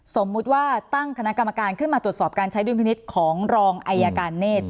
สมมุติว่าตั้งคณะกรรมการขึ้นมาตรวจสอบการใช้ดุลพินิษฐ์ของรองอายการเนธ